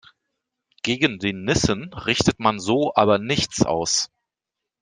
Gegen die Nissen richtet man so aber nichts aus.